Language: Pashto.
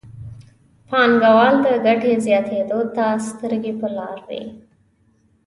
پانګوال د ګټې زیاتېدو ته سترګې په لاره وي.